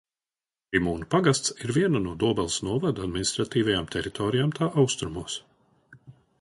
Krimūnu pagasts ir viena no Dobeles novada administratīvajām teritorijām tā austrumos.